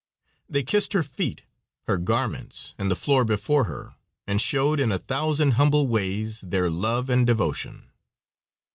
They kissed her feet, her garments, and the floor before her, and showed in a thousand humble ways their love and devotion.